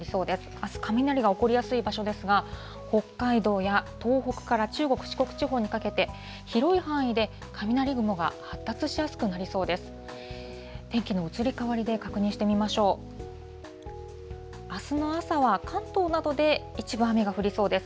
あす、雷が起こりやすい場所ですが、北海道や東北から中国、四国地方にかけて、広い範囲で雷雲が発達しやすくなりそうです。